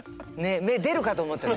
目出るかと思った。